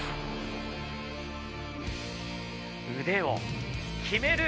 腕を決める。